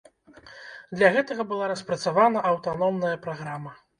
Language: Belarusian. Для гэтага была распрацавана аўтаномная праграма.